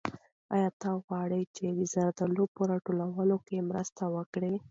آیا ته غواړې چې د زردالیو په راټولولو کې مرسته وکړې؟